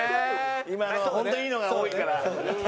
今のはホントにいいのが多いから。